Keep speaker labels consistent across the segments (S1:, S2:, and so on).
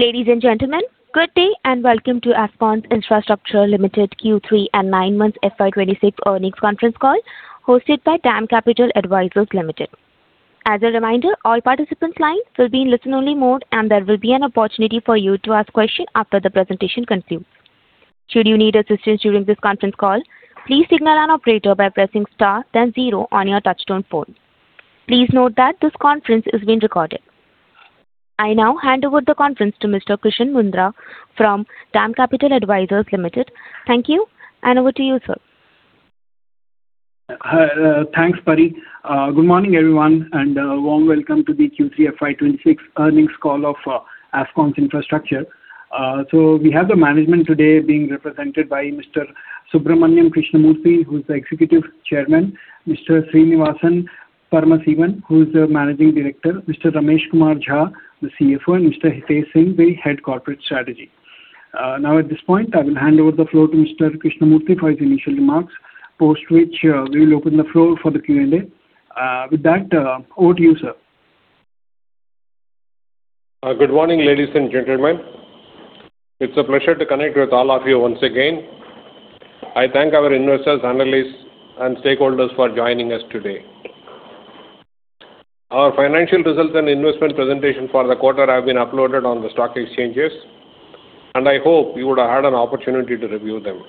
S1: Ladies and gentlemen, good day and welcome to Afcons Infrastructure Limited Q3 and 9 months FY 2026 earnings conference call hosted by DAM Capital Advisors Limited. As a reminder, all participants' lines will be in listen-only mode and there will be an opportunity for you to ask questions after the presentation concludes. Should you need assistance during this conference call, please signal an operator by pressing star, then zero on your touch-tone phone. Please note that this conference is being recorded. I now hand over the conference to Mr. Kishan Mundra from DAM Capital Advisors Limited. Thank you, and over to you, sir.
S2: Hi, thanks, Paris. Good morning, everyone, and warm welcome to the Q3 FY 2026 earnings call of Afcons Infrastructure. So we have the management today being represented by Mr. Subramanian Krishnamurthy, who's the Executive Chairman; Mr. Srinivasan Paramasivan, who's the Managing Director; Mr. Ramesh Kumar Jha, the CFO; and Mr. Hitesh Singh, the Head, Corporate Strategy. Now at this point, I will hand over the floor to Mr. Krishnamurthy for his initial remarks, post which, we will open the floor for the Q&A. With that, over to you, sir.
S3: Good morning ladies and gentlemen. It's a pleasure to connect with all of you once again. I thank our investors, analysts, and stakeholders for joining us today. Our financial results and investment presentation for the quarter have been uploaded on the stock exchanges, and I hope you would have had an opportunity to review them.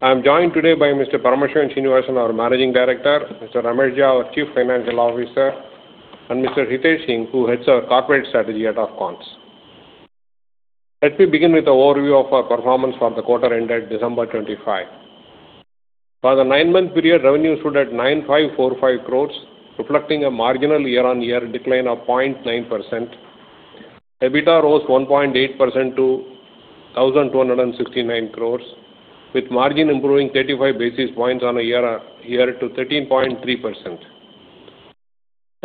S3: I am joined today by Mr. Paramasivan Srinivasan, our Managing Director; Mr. Ramesh Jha, our Chief Financial Officer; and Mr. Hitesh Singh, who heads our corporate strategy at Afcons. Let me begin with an overview of our performance for the quarter ended December 25th. For the 9-month period, revenues stood at 9,545 crores, reflecting a marginal year-on-year decline of 0.9%. EBITDA rose 1.8% to 1,269 crores, with margin improving 35 basis points on a year-to-year to 13.3%.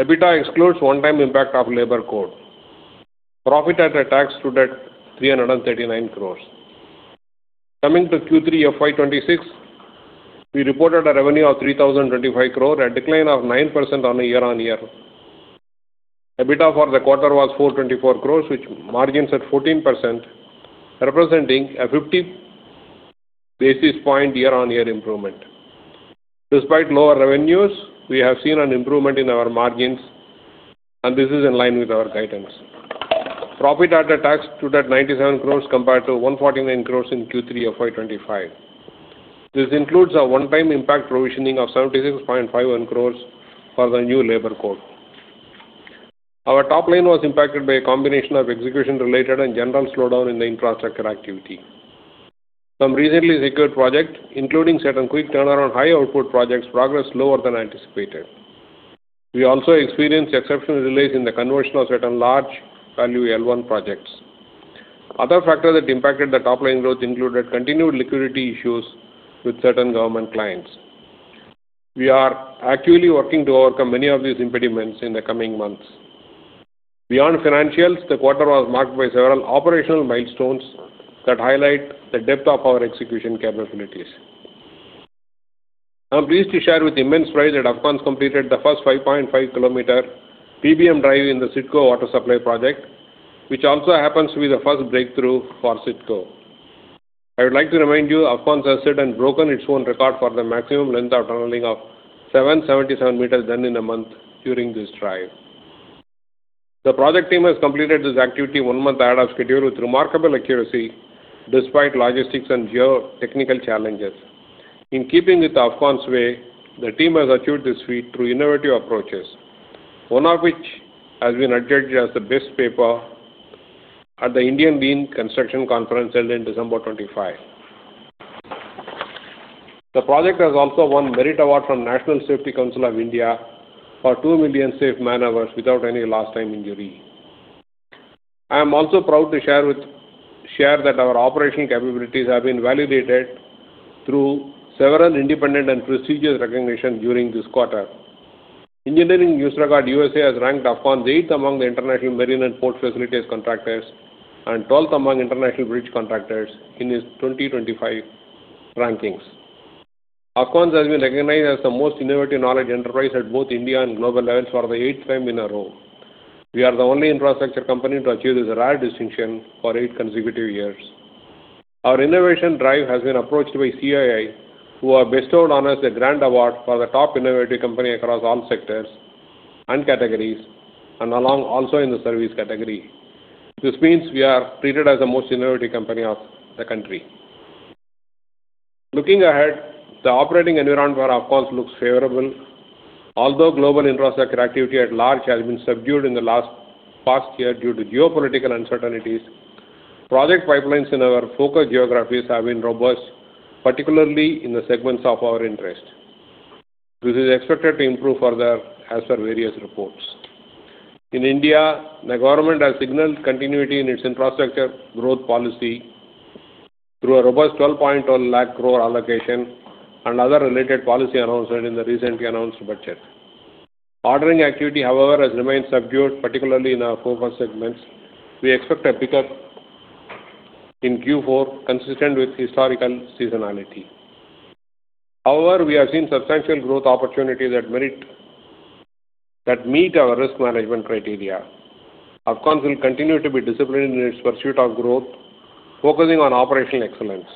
S3: EBITDA excludes one-time impact of Labour Code. Profit after tax stood at 339 crores. Coming to Q3 FY 2026, we reported a revenue of 3,025 crores, a decline of 9% on a year-over-year. EBITDA for the quarter was 424 crores, with margins at 14%, representing a 50 basis point year-over-year improvement. Despite lower revenues, we have seen an improvement in our margins, and this is in line with our guidance. Profit after tax stood at 97 crores compared to 149 crores in Q3 FY 2025. This includes a one-time impact provisioning of 76.51 crores for the new Labour Code. Our top line was impacted by a combination of execution-related and general slowdown in the infrastructure activity. Some recently secured projects, including certain quick turnaround high-output projects, progressed lower than anticipated. We also experienced exceptional delays in the conversion of certain large-value L1 projects. Other factors that impacted the top line growth included continued liquidity issues with certain government clients. We are actively working to overcome many of these impediments in the coming months. Beyond financials, the quarter was marked by several operational milestones that highlight the depth of our execution capabilities. I am pleased to share with immense pride that Afcons completed the first 5.5 km TBM drive in the CIDCO water supply project, which also happens to be the first breakthrough for CIDCO. I would like to remind you, Afcons has set and broken its own record for the maximum length of tunneling of 777 meters done in a month during this drive. The project team has completed this activity one month ahead of schedule with remarkable accuracy despite logistics and geotechnical challenges. In keeping with Afcons' way, the team has achieved this feat through innovative approaches, one of which has been judged as the best paper at the Indian Lean Construction Conference held in December 25th. The project has also won the MERIT Award from the National Safety Council of India for 2 million safe man-hours without any lost-time injury. I am also proud to share that our operational capabilities have been validated through several independent and prestigious recognitions during this quarter. Engineering News-Record U.S. has ranked Afcons 8th among the international marine and port facilities contractors and 12th among international bridge contractors in its 2025 rankings. Afcons has been recognized as the most innovative knowledge enterprise at both India and global levels for the 8th time in a row. We are the only infrastructure company to achieve this rare distinction for 8 consecutive years. Our innovation drive has been approached by CII, who have bestowed on us the Grand Award for the top innovative company across all sectors and categories, and also in the service category. This means we are treated as the most innovative company of the country. Looking ahead, the operating environment for Afcons looks favorable. Although global infrastructure activity at large has been subdued in the past year due to geopolitical uncertainties, project pipelines in our focus geographies have been robust, particularly in the segments of our interest. This is expected to improve further as per various reports. In India, the government has signaled continuity in its infrastructure growth policy through a robust 1,210,000 crores allocation and other related policy announcements in the recently announced budget. Ordering activity, however, has remained subdued, particularly in our focus segments. We expect a pickup in Q4 consistent with historical seasonality. However, we have seen substantial growth opportunities that meet our risk management criteria. Afcons will continue to be disciplined in its pursuit of growth, focusing on operational excellence.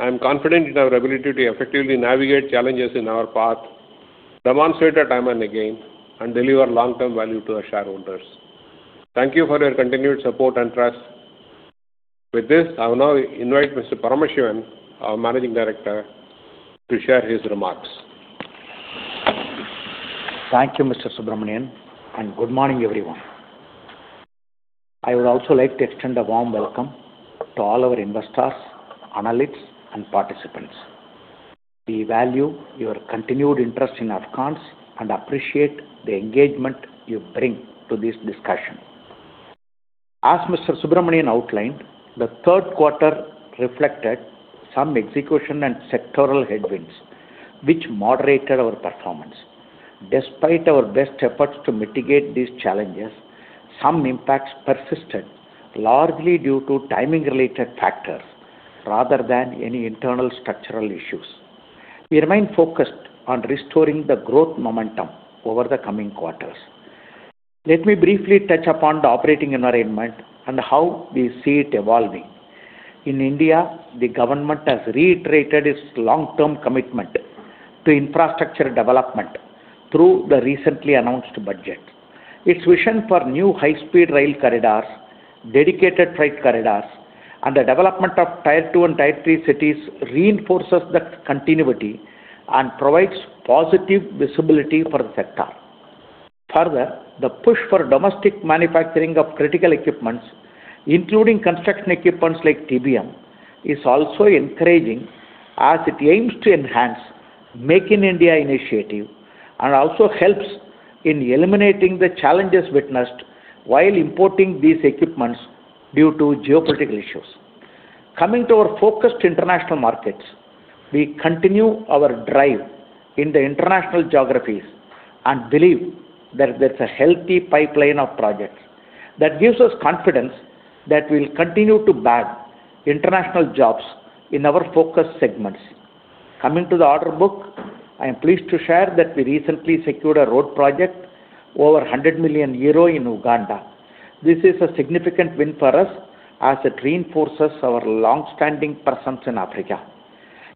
S3: I am confident in our ability to effectively navigate challenges in our path, demonstrate it time and again, and deliver long-term value to our shareholders. Thank you for your continued support and trust. With this, I will now invite Mr. Paramasivan, our Managing Director, to share his remarks.
S4: Thank you, Mr. Subramanian, and good morning everyone. I would also like to extend a warm welcome to all our investors, analysts, and participants. We value your continued interest in Afcons and appreciate the engagement you bring to this discussion. As Mr. Subramanian outlined, the third quarter reflected some execution and sectoral headwinds, which moderated our performance. Despite our best efforts to mitigate these challenges, some impacts persisted, largely due to timing-related factors rather than any internal structural issues. We remain focused on restoring the growth momentum over the coming quarters. Let me briefly touch upon the operating environment and how we see it evolving. In India, the government has reiterated its long-term commitment to infrastructure development through the recently announced budget. Its vision for new high-speed rail corridors, dedicated freight corridors, and the development of Tier 2 and Tier 3 cities reinforces the continuity and provides positive visibility for the sector. Further, the push for domestic manufacturing of critical equipment, including construction equipment like TBM, is also encouraging as it aims to enhance the Make in India initiative and also helps in eliminating the challenges witnessed while importing these equipment due to geopolitical issues. Coming to our focused international markets, we continue our drive in the international geographies and believe that there is a healthy pipeline of projects that gives us confidence that we will continue to bag international jobs in our focus segments. Coming to the order book, I am pleased to share that we recently secured a road project worth over 100 million euro in Uganda. This is a significant win for us as it reinforces our long-standing presence in Africa.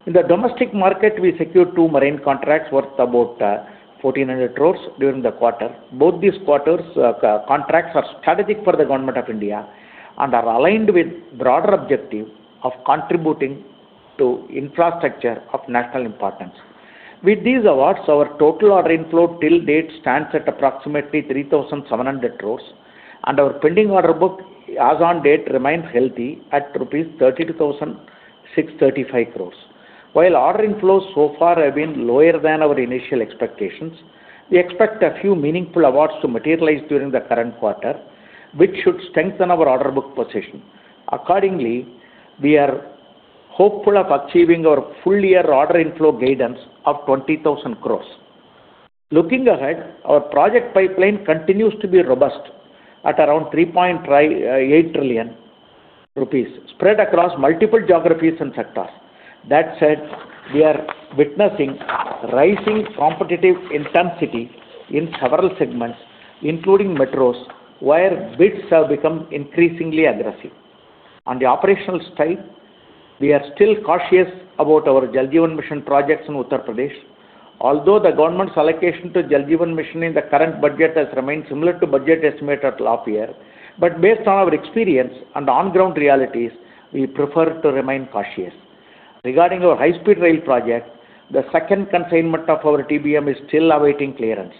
S4: In the domestic market, we secured two marine contracts worth about 1,400 crores during the quarter. Both these quarters' contracts are strategic for the government of India and are aligned with the broader objective of contributing to infrastructure of national importance. With these awards, our total order inflow till date stands at approximately 3,700 crores, and our pending order book as of date remains healthy at rupees 32,635 crores. While order inflows so far have been lower than our initial expectations, we expect a few meaningful awards to materialize during the current quarter, which should strengthen our order book position. Accordingly, we are hopeful of achieving our full-year order inflow guidance of 20,000 crores. Looking ahead, our project pipeline continues to be robust at around 3.8 trillion rupees, spread across multiple geographies and sectors. That said, we are witnessing rising competitive intensity in several segments, including metros, where bids have become increasingly aggressive. On the operational side, we are still cautious about our Jal Jeevan Mission projects in Uttar Pradesh. Although the government's allocation to Jal Jeevan Mission in the current budget has remained similar to the budget estimate at the half-year, based on our experience and on-ground realities, we prefer to remain cautious. Regarding our high-speed rail project, the second consignment of our TBM is still awaiting clearance.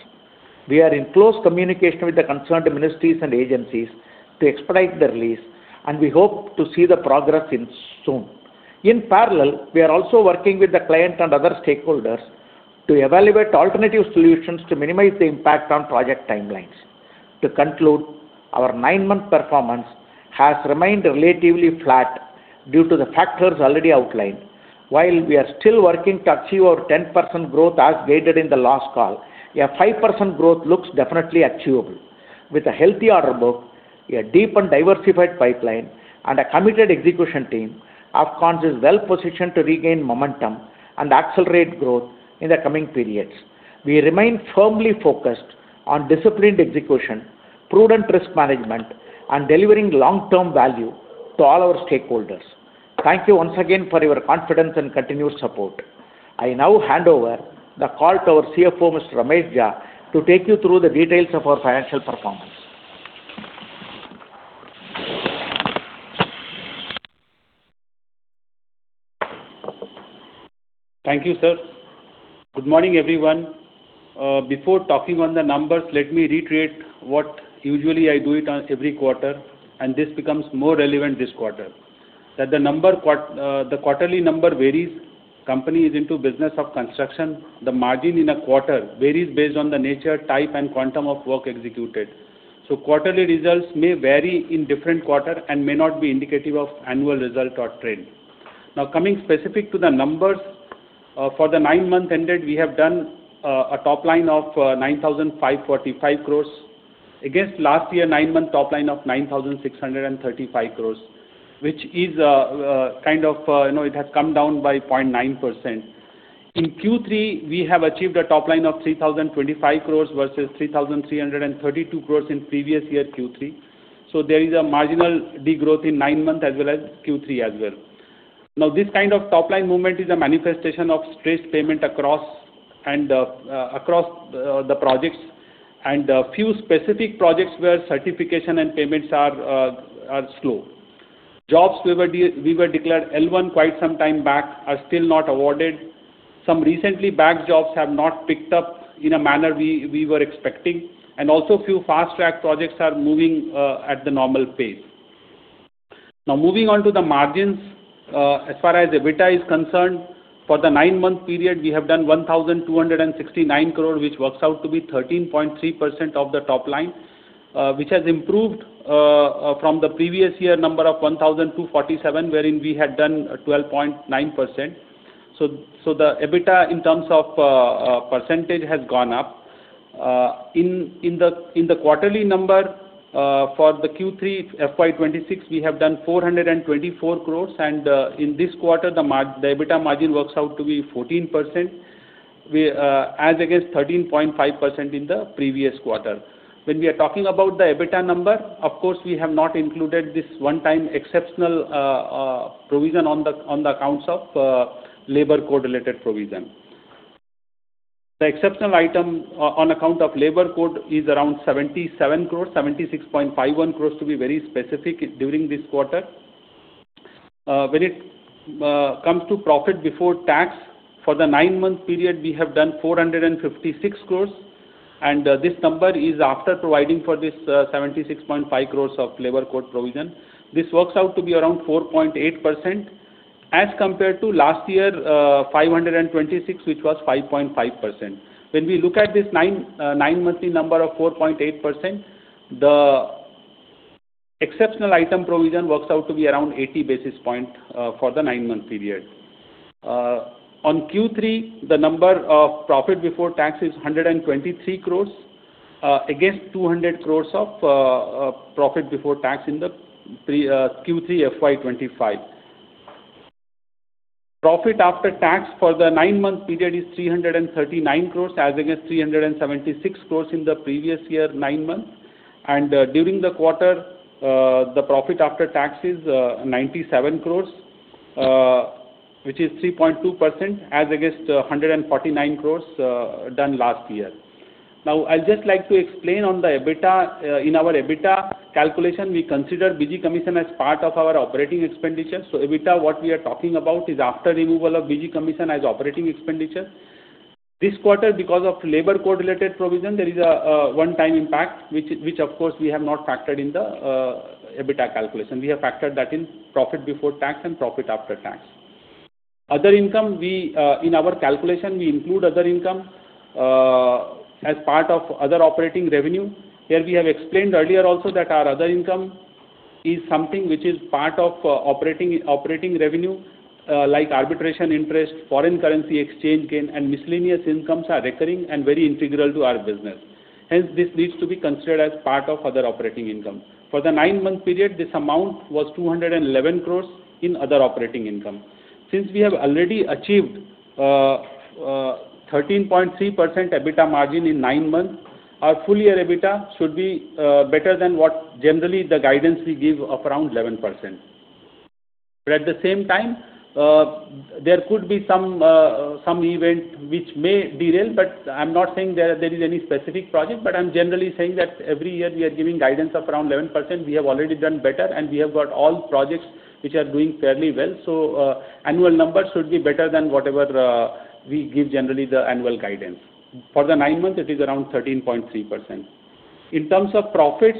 S4: We are in close communication with the concerned ministries and agencies to expedite the release, and we hope to see the progress soon. In parallel, we are also working with the client and other stakeholders to evaluate alternative solutions to minimize the impact on project timelines. To conclude, our 9-month performance has remained relatively flat due to the factors already outlined. While we are still working to achieve our 10% growth as guided in the last call, a 5% growth looks definitely achievable. With a healthy order book, a deep and diversified pipeline, and a committed execution team, Afcons is well positioned to regain momentum and accelerate growth in the coming periods. We remain firmly focused on disciplined execution, prudent risk management, and delivering long-term value to all our stakeholders. Thank you once again for your confidence and continued support. I now hand over the call to our CFO, Mr. Ramesh Jha, to take you through the details of our financial performance.
S5: Thank you, sir. Good morning everyone. Before talking on the numbers, let me reiterate what usually I do every quarter, and this becomes more relevant this quarter. The quarterly number varies. The company is into the business of construction. The margin in a quarter varies based on the nature, type, and quantum of work executed. So, quarterly results may vary in different quarters and may not be indicative of annual results or trends. Now, coming specifically to the numbers, for the 9-month ended, we have done a top line of 9,545 crores against last year's 9-month top line of 9,635 crores, which is a kind of. It has come down by 0.9%. In Q3, we have achieved a top line of 3,025 crores versus 3,332 crores in previous year Q3. So, there is a marginal degrowth in 9 months as well as Q3 as well. Now, this kind of top line movement is a manifestation of stressed payments across the projects, and a few specific projects where certification and payments are slow. Jobs we were declared L1 quite some time back are still not awarded. Some recently bagged jobs have not picked up in a manner we were expecting, and also a few fast-track projects are moving at the normal pace. Now, moving on to the margins, as far as EBITDA is concerned, for the 9-month period, we have done 1,269 crores, which works out to be 13.3% of the top line, which has improved from the previous year's number of 1,247 crores, wherein we had done 12.9%. So, the EBITDA, in terms of percentage, has gone up. In the quarterly number for Q3, FY 2026, we have done 424 crores, and in this quarter, the EBITDA margin works out to be 14%, as against 13.5% in the previous quarter. When we are talking about the EBITDA number, of course, we have not included this one-time exceptional provision on account of labor code-related provision. The exceptional item on account of labor code is around 77 crores, 76.51 crores to be very specific, during this quarter. When it comes to profit before tax, for the 9-month period, we have done 456 crores, and this number is after providing for this 76.5 crores of labor code provision. This works out to be around 4.8% as compared to last year's 526 crores, which was 5.5%. When we look at this 9-monthly number of 4.8%, the exceptional item provision works out to be around 80 basis points for the 9-month period. On Q3, the profit before tax is 123 crores against 200 crores of profit before tax in Q3, FY 2025. Profit after tax for the 9-month period is 339 crores as against 376 crores in the previous year's 9 months, and during the quarter, the profit after tax is 97 crores, which is 3.2% as against 149 crores done last year. Now, I would just like to explain on the EBITDA, in our EBITDA calculation, we consider BG Commission as part of our operating expenditure. So, EBITDA, what we are talking about is after removal of BG Commission as operating expenditure. This quarter, because of labor code-related provision, there is a one-time impact, which, of course, we have not factored in the EBITDA calculation. We have factored that in profit before tax and profit after tax. Other income, in our calculation, we include other income as part of other operating revenue. Here, we have explained earlier also that our other income is something which is part of operating revenue, like arbitration interest, foreign currency exchange gain, and miscellaneous incomes are recurring and very integral to our business. Hence, this needs to be considered as part of other operating income. For the 9-month period, this amount was 211 crores in other operating income. Since we have already achieved a 13.3% EBITDA margin in 9 months, our full-year EBITDA should be better than what generally the guidance we give of around 11%. But at the same time, there could be some event which may derail, but I am not saying there is any specific project. But I am generally saying that every year we are giving guidance of around 11%. We have already done better, and we have got all projects which are doing fairly well. Annual numbers should be better than whatever we give generally the annual guidance. For the 9 months, it is around 13.3%. In terms of profits,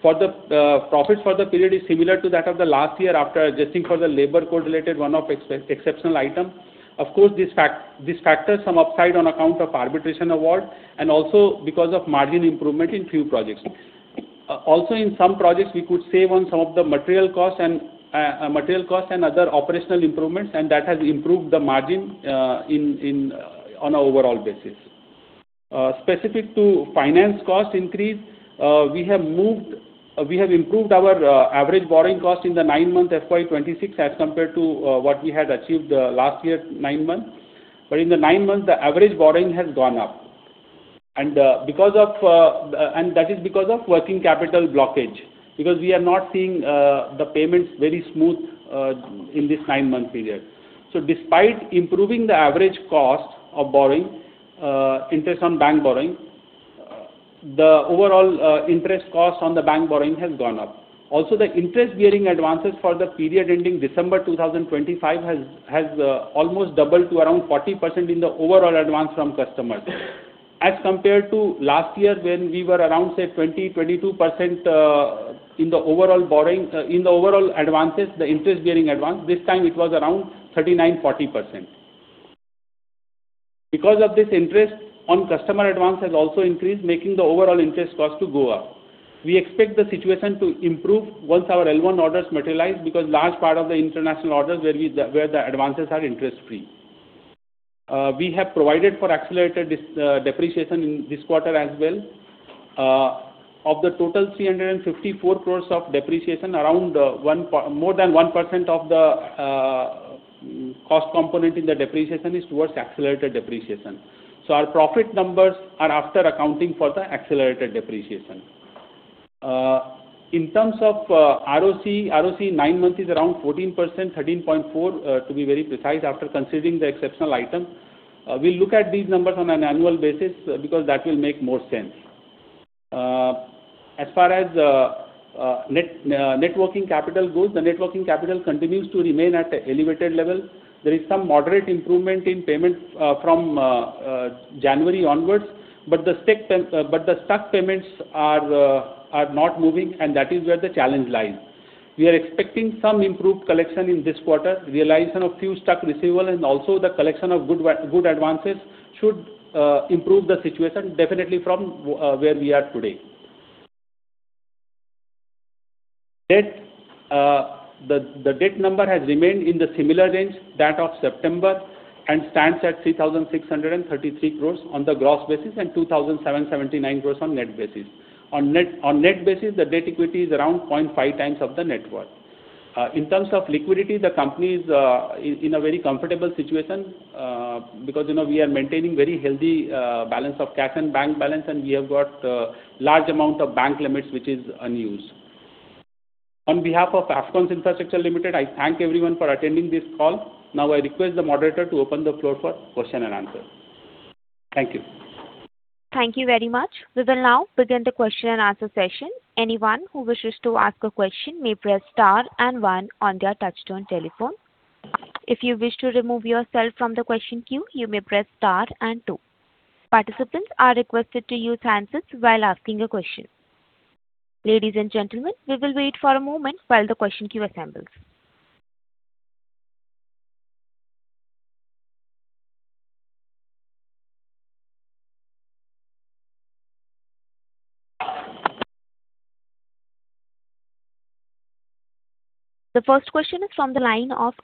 S5: profits for the period are similar to that of the last year after adjusting for the labor code-related one-off exceptional item. Of course, this factors some upside on account of arbitration award and also because of margin improvement in a few projects. Also, in some projects, we could save on some of the material costs and other operational improvements, and that has improved the margin on an overall basis. Specific to finance cost increase, we have improved our average borrowing cost in the 9-month, FY 2026, as compared to what we had achieved last year's 9 months. But in the 9 months, the average borrowing has gone up. That is because of working capital blockage, because we are not seeing the payments very smooth in this 9-month period. Despite improving the average cost of borrowing, interest on bank borrowing, the overall interest cost on the bank borrowing has gone up. Also, the interest-bearing advances for the period ending December 2025 have almost doubled to around 40% in the overall advance from customers, as compared to last year when we were around, say, 20%-22% in the overall borrowing, in the overall advances, the interest-bearing advance. This time, it was around 39%-40%. Because of this, interest on customer advance has also increased, making the overall interest cost to go up. We expect the situation to improve once our L1 orders materialize, because a large part of the international orders where the advances are interest-free. We have provided for accelerated depreciation in this quarter as well. Of the total 354 crores of depreciation, around more than 1% of the cost component in the depreciation is towards accelerated depreciation. So, our profit numbers are after accounting for the accelerated depreciation. In terms of ROC, ROC 9 months is around 14%, 13.4% to be very precise after considering the exceptional item. We will look at these numbers on an annual basis because that will make more sense. As far as net working capital goes, the net working capital continues to remain at an elevated level. There is some moderate improvement in payments from January onwards, but the stuck payments are not moving, and that is where the challenge lies. We are expecting some improved collection in this quarter, realization of a few stuck receivables, and also the collection of good advances should improve the situation, definitely from where we are today. Debt number has remained in the similar range to that of September and stands at 3,633 crores on the gross basis and 2,779 crores on net basis. On net basis, the debt equity is around 0.5 times the net worth. In terms of liquidity, the company is in a very comfortable situation because we are maintaining a very healthy balance of cash and bank balance, and we have got a large amount of bank limits, which is unused. On behalf of Afcons Infrastructure Limited, I thank everyone for attending this call. Now, I request the moderator to open the floor for questions and answers. Thank you.
S1: Thank you very much. We will now begin the question-and-answer session. Anyone who wishes to ask a question may press star and one on their touch-tone telephone. If you wish to remove yourself from the question queue, you may press star and two. Participants are requested to use hands-free while asking a question. Ladies and gentlemen, we will wait for a moment while the question queue assembles. The first question is from the line of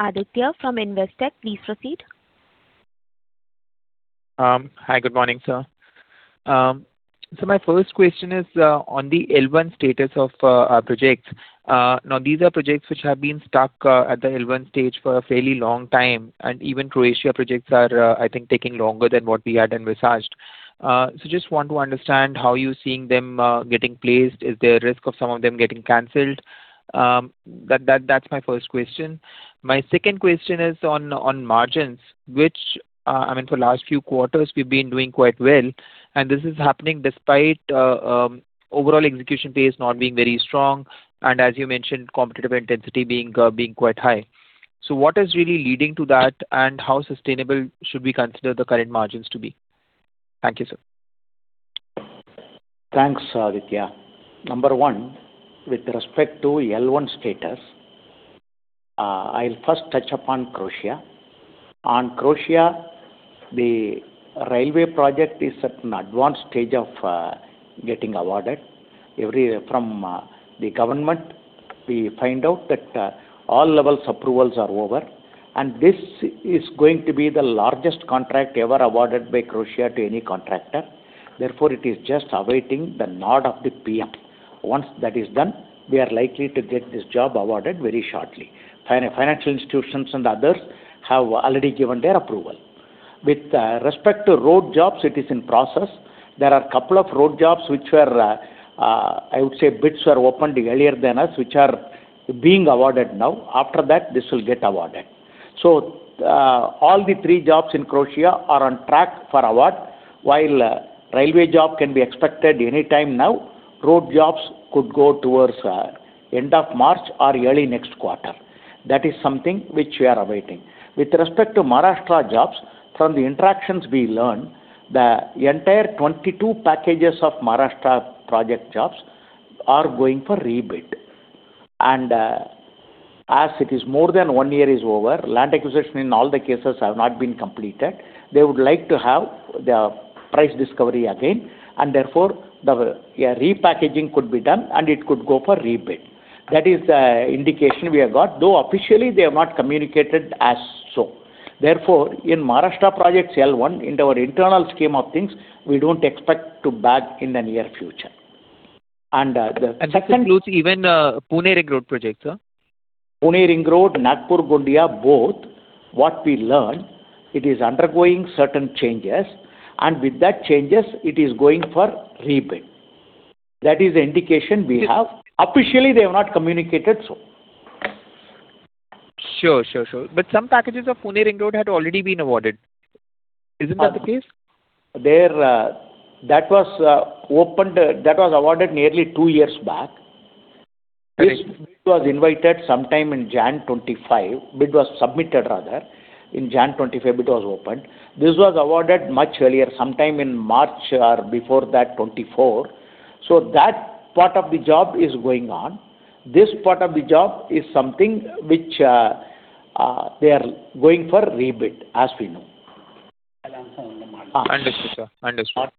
S1: Aditya from Investec. Please proceed.
S6: Hi. Good morning, sir. So, my first question is on the L1 status of projects. Now, these are projects which have been stuck at the L1 stage for a fairly long time, and even Croatia projects are, I think, taking longer than what we had envisaged. So, I just want to understand how you are seeing them getting placed. Is there a risk of some of them getting canceled? That's my first question. My second question is on margins, which, I mean, for the last few quarters, we've been doing quite well, and this is happening despite overall execution pace not being very strong and, as you mentioned, competitive intensity being quite high. So, what is really leading to that, and how sustainable should we consider the current margins to be? Thank you, sir.
S5: Thanks, Aditya. Number one, with respect to the L1 status, I will first touch upon Croatia. On Croatia, the railway project is at an advanced stage of getting awarded. From the government, we find out that all levels of approvals are over, and this is going to be the largest contract ever awarded by Croatia to any contractor. Therefore, it is just awaiting the nod of the PM. Once that is done, we are likely to get this job awarded very shortly. Financial institutions and others have already given their approval. With respect to road jobs, it is in process. There are a couple of road jobs which were, I would say, bids were opened earlier than us, which are being awarded now. After that, this will get awarded. So, all the three jobs in Croatia are on track for award, while a railway job can be expected anytime now. Road jobs could go towards the end of March or early next quarter. That is something which we are awaiting. With respect to Maharashtra jobs, from the interactions we learned, the entire 22 packages of Maharashtra project jobs are going for rebid. And as it is more than one year is over, land acquisition in all the cases has not been completed. They would like to have their price discovery again, and therefore, the repackaging could be done, and it could go for rebid. That is the indication we have got, though officially, they have not communicated as so. Therefore, in Maharashtra projects L1, in our internal scheme of things, we don't expect to bag in the near future. And the second.
S6: This includes even Pune Ring Road project, sir?
S5: Ring Road, Nagpur-Gondia, both, what we learned, it is undergoing certain changes, and with that changes, it is going for rebid. That is the indication we have. Officially, they have not communicated so.
S6: Sure. Some packages of Pune Ring Road had already been awarded. Isn't that the case?
S5: That was awarded nearly two years back. This bid was invited sometime in January 2025. Bid was submitted, rather. In January 2025, bid was opened. This was awarded much earlier, sometime in March or before that, 2024. So, that part of the job is going on. This part of the job is something which they are going for rebid, as we know.
S6: Understood, sir. Understood.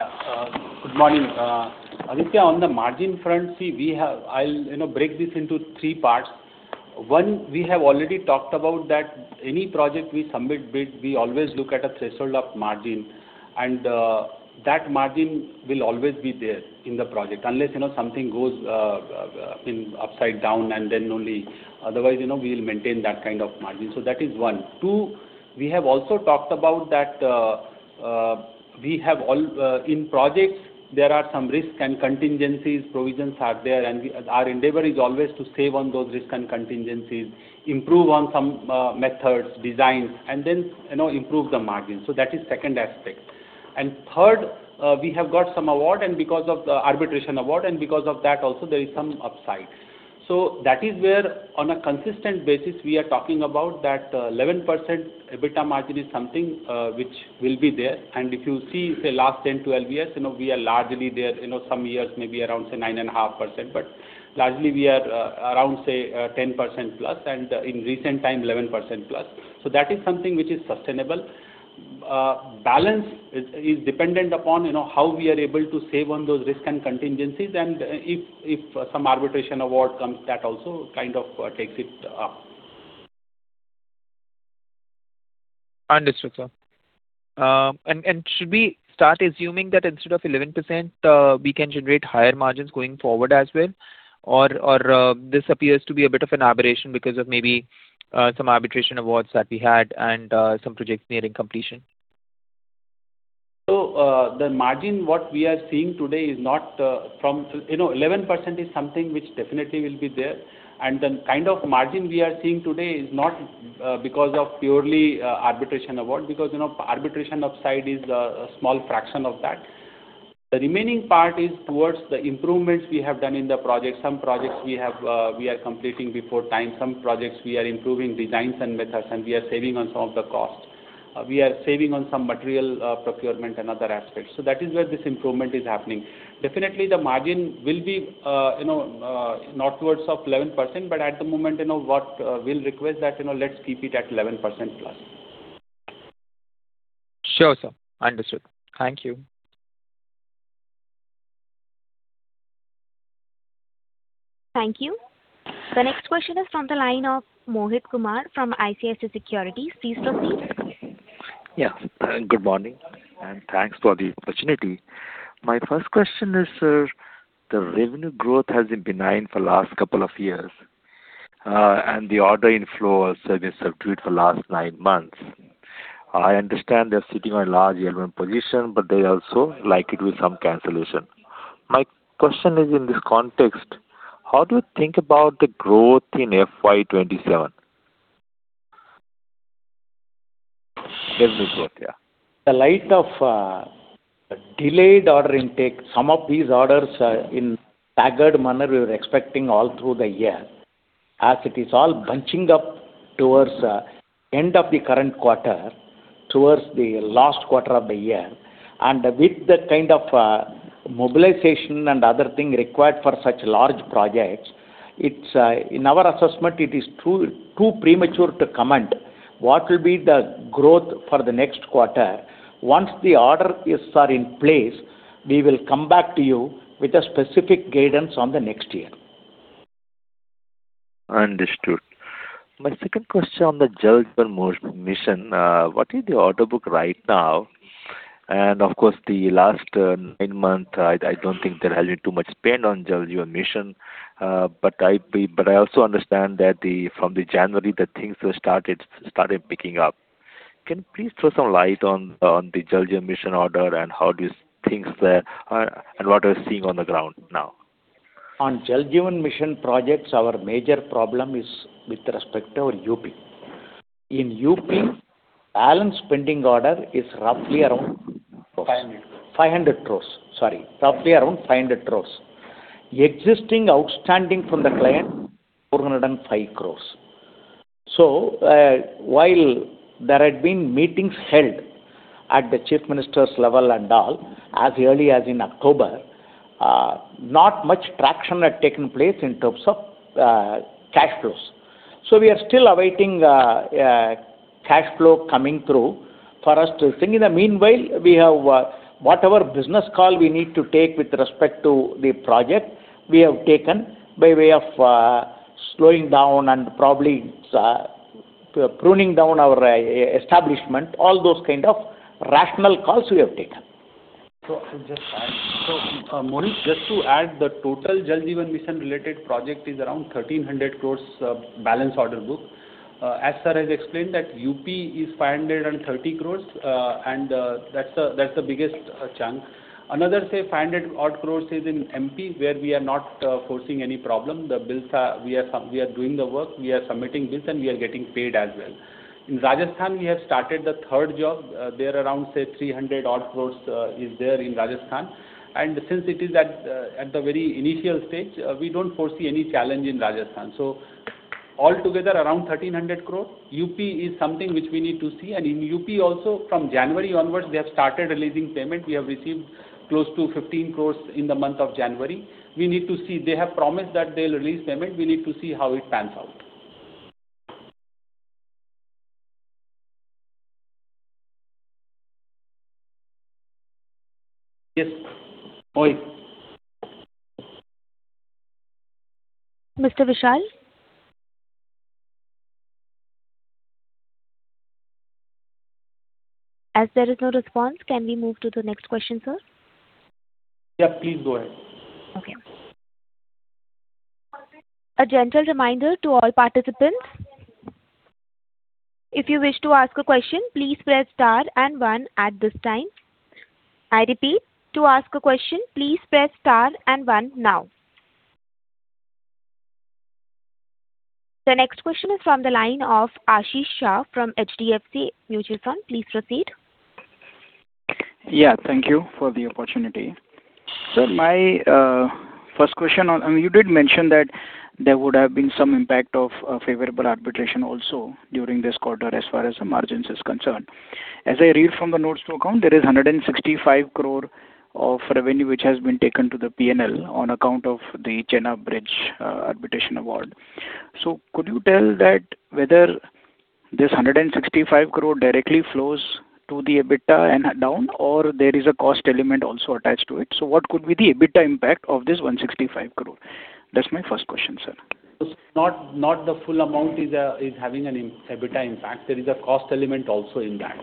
S7: Good morning. Aditya, on the margin front, see, I will break this into three parts. One, we have already talked about that any project we submit bid, we always look at a threshold of margin, and that margin will always be there in the project unless something goes upside down and then only. Otherwise, we will maintain that kind of margin. So, that is one. Two, we have also talked about that in projects, there are some risk and contingencies provisions are there, and our endeavor is always to save on those risk and contingencies, improve on some methods, designs, and then improve the margins. So, that is the second aspect. And third, we have got some award and because of the arbitration award and because of that also, there is some upside. That is where, on a consistent basis, we are talking about that 11% EBITDA margin is something which will be there. If you see, say, last 10-12 years, we are largely there. Some years, maybe around, say, 9.5%, but largely, we are around, say, 10%+ and in recent times, 11%+. That is something which is sustainable. Balance is dependent upon how we are able to save on those risk and contingencies, and if some arbitration award comes, that also kind of takes it up.
S6: Understood, sir. Should we start assuming that instead of 11%, we can generate higher margins going forward as well, or this appears to be a bit of an aberration because of maybe some arbitration awards that we had and some projects nearing completion?
S5: So, the margin, what we are seeing today is not from 11% is something which definitely will be there, and the kind of margin we are seeing today is not because of purely arbitration award because arbitration upside is a small fraction of that. The remaining part is towards the improvements we have done in the projects. Some projects we are completing before time. Some projects, we are improving designs and methods, and we are saving on some of the cost. We are saving on some material procurement and other aspects. So, that is where this improvement is happening. Definitely, the margin will be not towards 11%, but at the moment, what we'll request that let's keep it at 11%+.
S6: Sure, sir. Understood. Thank you.
S1: Thank you. The next question is from the line of Mohit Kumar from ICICI Securities. Please proceed.
S8: Yeah. Good morning and thanks for the opportunity. My first question is, sir, the revenue growth has been benign for the last couple of years, and the order inflows have been subdued for the last 9 months. I understand they are sitting on a large L1 position, but they also likely with some cancellations. My question is, in this context, how do you think about the growth in FY 2027? Revenue growth, yeah.
S5: In the light of delayed order intake, some of these orders in staggered manner we were expecting all through the year, as it is all bunching up towards the end of the current quarter, towards the last quarter of the year, and with the kind of mobilization and other things required for such large projects, in our assessment, it is too premature to comment what will be the growth for the next quarter. Once the orders are in place, we will come back to you with a specific guidance on the next year.
S8: Understood. My second question on the Jal Jeevan Mission, what is the order book right now? And of course, the last 9 months, I don't think there has been too much spend on Jal Jeevan Mission, but I also understand that from January, the things started picking up. Can you please throw some light on the Jal Jeevan Mission order and how do you think and what are you seeing on the ground now?
S5: On Jal Jeevan Mission projects, our major problem is with respect to our UP. In UP, balance pending order is roughly around?
S7: INR 500 crores.
S5: 500 crores. Sorry. Roughly around 500 crores. Existing outstanding from the client, 405 crores. So, while there had been meetings held at the Chief Minister's level and all, as early as in October, not much traction had taken place in terms of cash flows. So, we are still awaiting cash flow coming through for us to sing. In the meanwhile, whatever business call we need to take with respect to the project, we have taken by way of slowing down and probably pruning down our establishment, all those kind of rational calls we have taken.
S7: So, I will just add. So, Mohit, just to add, the total Jal Jeevan Mission-related project is around 1,300 crores balance order book. As sir has explained, that UP is 530 crores, and that's the biggest chunk. Another, say, 500-odd crores is in MP, where we are not facing any problem. The bills, we are doing the work. We are submitting bills, and we are getting paid as well. In Rajasthan, we have started the third job. There are around, say, 300-odd crores there in Rajasthan. And since it is at the very initial stage, we don't foresee any challenge in Rajasthan. So, altogether, around 1,300 crores. UP is something which we need to see. And in UP also, from January onwards, they have started releasing payment. We have received close to 15 crores in the month of January. We need to see. They have promised that they'll release payment. We need to see how it pans out.
S1: Mr. Vishal? As there is no response, can we move to the next question, sir?
S4: Yeah, please go ahead.
S1: Okay. A gentle reminder to all participants. If you wish to ask a question, please press star and one at this time. I repeat, to ask a question, please press star and one now. The next question is from the line of Ashish Shah from HDFC. Please proceed.
S9: Yeah. Thank you for the opportunity. Sir, my first question on you did mention that there would have been some impact of favorable arbitration also during this quarter as far as the margins are concerned. As I read from the notes to account, there is 165 crores of revenue which has been taken to the P&L on account of the Chennai Bridge arbitration award. So, could you tell whether this 165 crores directly flows to the EBITDA and down, or there is a cost element also attached to it? So, what could be the EBITDA impact of this 165 crores? That's my first question, sir.
S5: Not the full amount is having an EBITDA impact. There is a cost element also in that.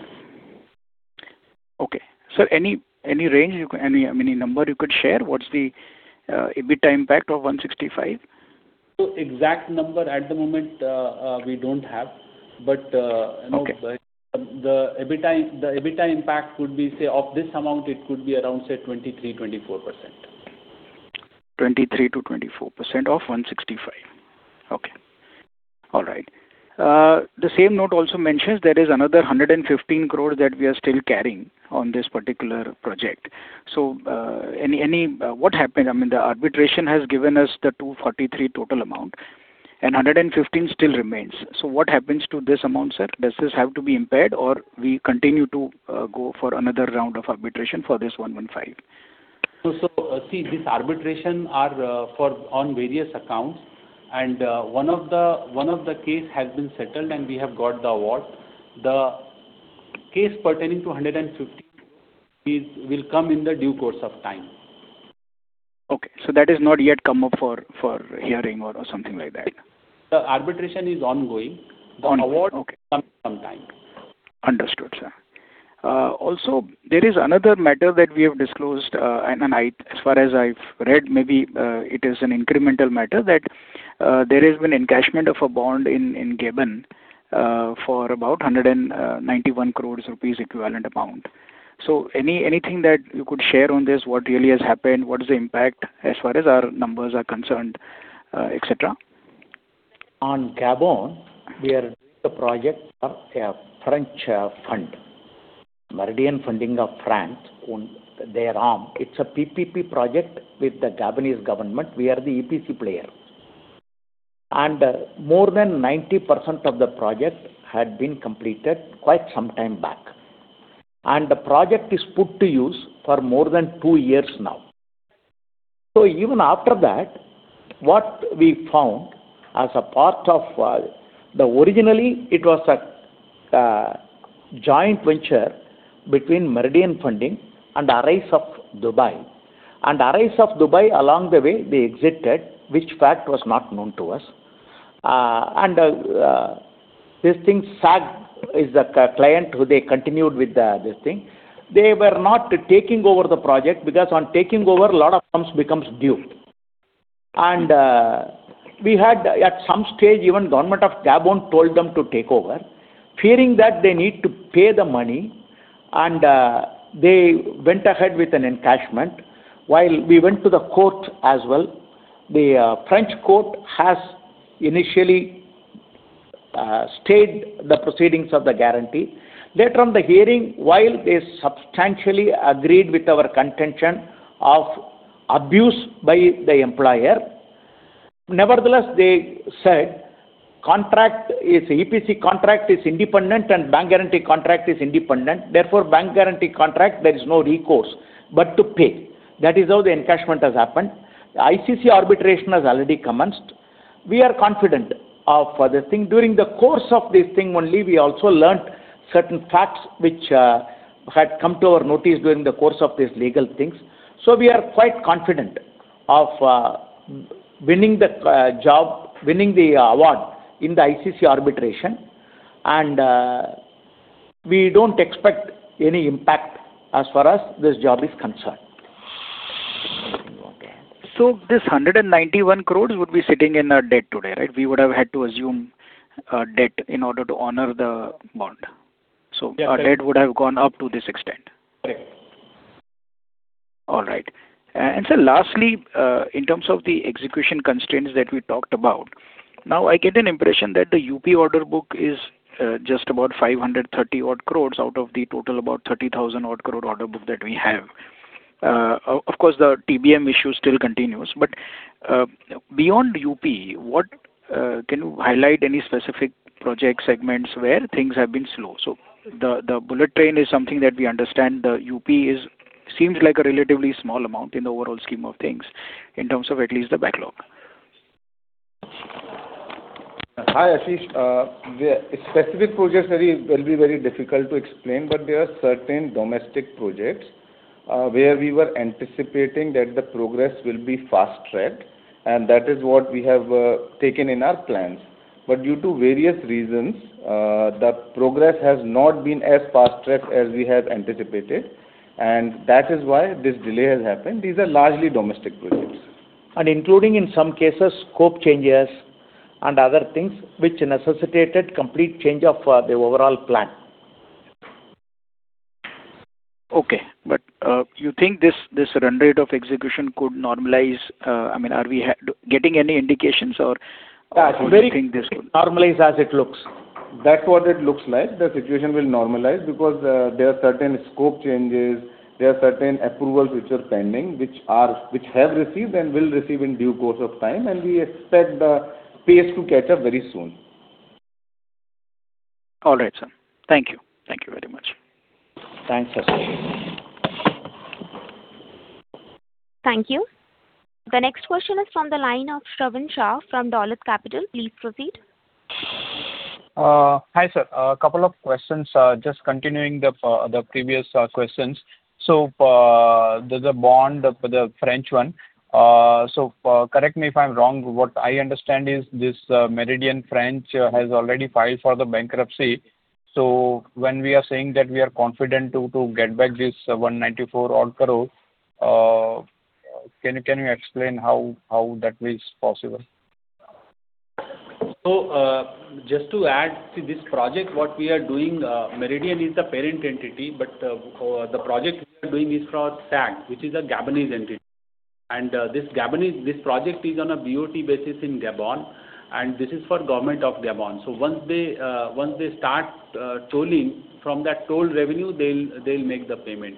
S9: Okay. Sir, any range, I mean, any number you could share? What's the EBITDA impact of 165 crores?
S5: So, exact number at the moment, we don't have, but the EBITDA impact could be, say, of this amount, it could be around, say, 23%-24%.
S9: 23%-24% of 165 crores. Okay. All right. The same note also mentions there is another 115 crores that we are still carrying on this particular project. So, what happened? I mean, the arbitration has given us the 243 crores total amount, and 115 crores still remains. So, what happens to this amount, sir? Does this have to be impaired, or we continue to go for another round of arbitration for this 115 crores?
S5: So, see, this arbitration is for various accounts, and one of the cases has been settled, and we have got the award. The case pertaining to 115 crores will come in the due course of time.
S9: Okay. That has not yet come up for hearing or something like that?
S5: The arbitration is ongoing. The award will come sometime.
S9: Understood, sir. Also, there is another matter that we have disclosed, and as far as I've read, maybe it is an incremental matter that there has been encashment of a bond in Gabon for about 191 crores rupees equivalent amount. So, anything that you could share on this, what really has happened, what is the impact as far as our numbers are concerned, etc.?
S5: On Gabon, we are doing a project for a French fund, Meridiam Funding of France on their arm. It's a PPP project with the Gabonese government. We are the EPC player. And more than 90% of the project had been completed quite some time back, and the project is put to use for more than two years now. So, even after that, what we found as a part of the originally, it was a joint venture between Meridiam Funding and Arise of Dubai. And Arise of Dubai, along the way, they exited, which fact was not known to us. And this thing, SAG is the client who they continued with this thing. They were not taking over the project because on taking over, a lot of things become due. We had, at some stage, even the government of Gabon told them to take over, fearing that they need to pay the money, and they went ahead with an encashment. While we went to the court as well, the French court has initially stayed the proceedings of the guarantee. Later on the hearing, while they substantially agreed with our contention of abuse by the employer, nevertheless, they said EPC contract is independent and bank guarantee contract is independent. Therefore, bank guarantee contract, there is no recourse but to pay. That is how the encashment has happened. ICC arbitration has already commenced. We are confident of this thing. During the course of this thing only, we also learned certain facts which had come to our notice during the course of these legal things. We are quite confident of winning the job, winning the award in the ICC Arbitration, and we don't expect any impact as far as this job is concerned.
S9: So, this 191 crores would be sitting in a debt today, right? We would have had to assume a debt in order to honor the bond. So, our debt would have gone up to this extent.
S5: Correct.
S9: All right. Sir, lastly, in terms of the execution constraints that we talked about, now, I get an impression that the UP order book is just about 530-odd crores out of the total about 30,000-odd crores order book that we have. Of course, the TBM issue still continues, but beyond UP, can you highlight any specific project segments where things have been slow? So, the bullet train is something that we understand. The UP seems like a relatively small amount in the overall scheme of things in terms of at least the backlog.
S3: Hi, Ashish. The specific projects will be very difficult to explain, but there are certain domestic projects where we were anticipating that the progress will be fast-tracked, and that is what we have taken in our plans. But due to various reasons, the progress has not been as fast-tracked as we have anticipated, and that is why this delay has happened. These are largely domestic projects.
S5: Including in some cases, scope changes and other things which necessitated complete change of the overall plan.
S9: Okay. But you think this run rate of execution could normalize? I mean, are we getting any indications or do you think this would?
S3: Yeah. It will normalize as it looks. That's what it looks like. The situation will normalize because there are certain scope changes. There are certain approvals which are pending, which have received and will receive in due course of time, and we expect the pace to catch up very soon.
S9: All right, sir. Thank you. Thank you very much.
S3: Thanks, Ashish.
S1: Thank you. The next question is from the line of Shravan Shah from Dolat Capital. Please proceed.
S10: Hi, sir. A couple of questions, just continuing the previous questions. So, there's a bond, the French one. So, correct me if I'm wrong. What I understand is this Meridian Funding has already filed for bankruptcy. So, when we are saying that we are confident to get back this 194-odd crores, can you explain how that will be possible?
S5: So, just to add, see, this project, what we are doing, Meridian is a parent entity, but the project we are doing is for SAG, which is a Gabonese entity. And this project is on a BOT basis in Gabon, and this is for the government of Gabon. So, once they start tolling, from that toll revenue, they'll make the payment.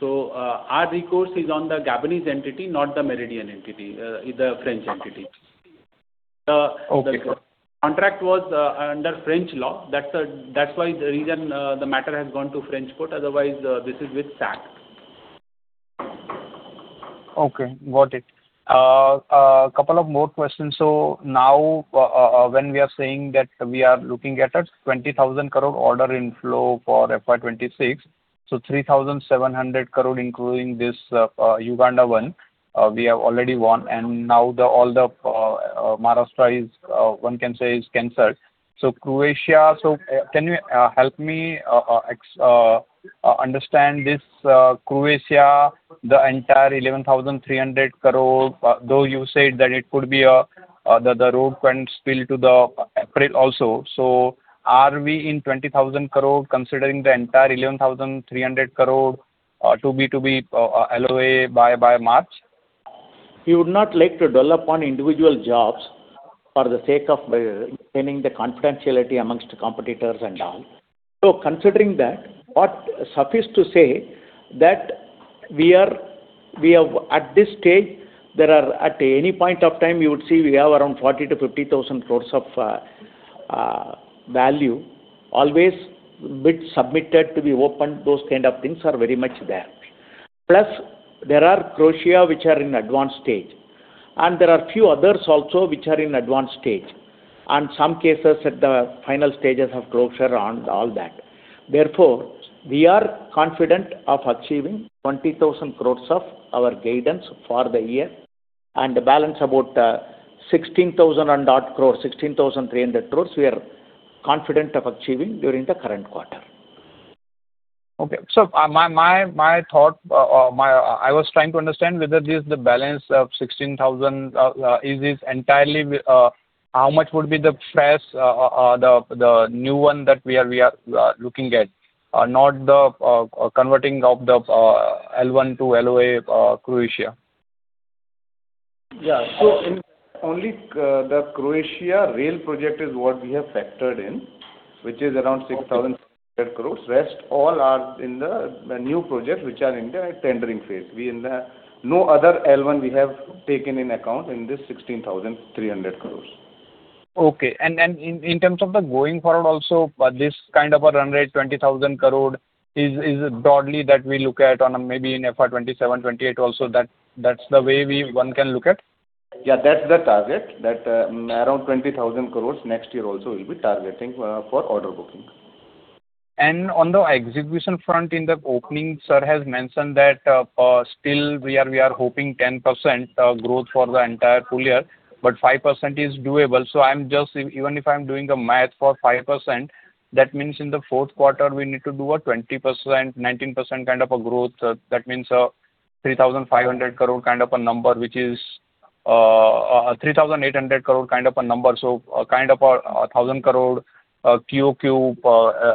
S5: So, our recourse is on the Gabonese entity, not the Meridian entity, the French entity. The contract was under French law. That's why the matter has gone to French court. Otherwise, this is with SAG.
S10: Okay. Got it. A couple of more questions. So, now, when we are saying that we are looking at 20,000 crores order inflow for FY 2026, so 3,700 crores including this Uganda one, we have already won, and now all the Maharashtra one, can say, is canceled. So, Croatia, so can you help me understand this Croatia, the entire 11,300 crores, though you said that it could be the road can spill to the April also? So, are we in 20,000 crores considering the entire 11,300 crores to be to be allowed by March?
S5: We would not like to dwell upon individual jobs for the sake of maintaining the confidentiality among competitors and all. So, considering that, what suffice to say that we are at this stage, at any point of time, you would see we have around 40,000 crores to 50,000 crores of value, always bid submitted to be opened. Those kind of things are very much there. Plus, there are Croatia which are in advanced stage, and there are few others also which are in advanced stage, and some cases at the final stages have closure and all that. Therefore, we are confident of achieving 20,000 crores of our guidance for the year and a balance about 16,000-odd crores, 16,300 crores, we are confident of achieving during the current quarter.
S10: Okay. Sir, my thought, I was trying to understand whether the balance of 16,000 is entirely how much would be the fresh, the new one that we are looking at, not the converting of the L1 to allow Croatia?
S4: Yeah. So, only the Croatia rail project is what we have factored in, which is around 6,600 crores. Rest, all are in the new projects which are in the tendering phase. No other L1 we have taken in account in this 16,300 crores.
S10: Okay. And in terms of the going forward also, this kind of a run rate, 20,000 crores, is broadly that we look at maybe in FY 2027, FY 2028 also? That's the way one can look at?
S4: Yeah. That's the target that around 20,000 crores next year also will be targeting for order booking.
S10: On the execution front, in the opening, sir has mentioned that still we are hoping 10% growth for the entire full year, but 5% is doable. So, even if I'm doing the math for 5%, that means in the fourth quarter, we need to do a 20%, 19% kind of a growth. That means a 3,500 crores kind of a number, which is a 3,800 crores kind of a number, so kind of a 1,000 crores QoQ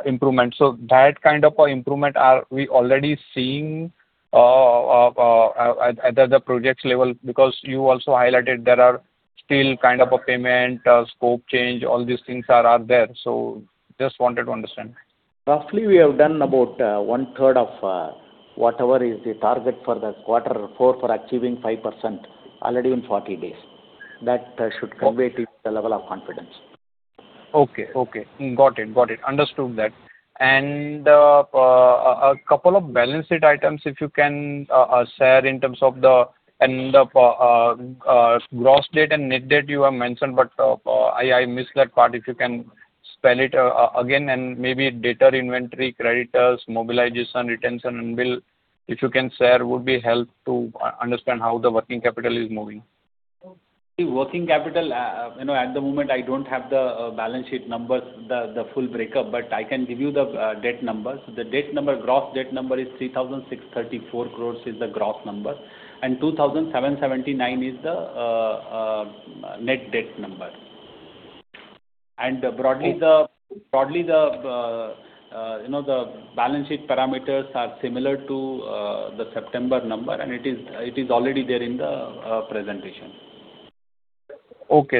S10: improvement. So, that kind of an improvement are we already seeing at the projects level because you also highlighted there are still kind of a payment, scope change, all these things are there. So, just wanted to understand.
S4: Roughly, we have done about one-third of whatever is the target for the quarter four for achieving 5% already in 40 days. That should convey to you the level of confidence.
S10: Okay. Okay. Got it. Got it. Understood that. And a couple of balance sheet items, if you can share, in terms of the gross debt and net debt, you have mentioned, but I missed that part. If you can spell it again and maybe debtors, inventory, creditors, mobilization, retention, and bills, if you can share, would be helpful to understand how the working capital is moving.
S5: Working capital, at the moment, I don't have the balance sheet numbers, the full breakup, but I can give you the debt numbers. The gross debt number is 3,634 crores is the gross number, and 2,779 crores is the net debt number. Broadly, the balance sheet parameters are similar to the September number, and it is already there in the presentation.
S10: Okay. Got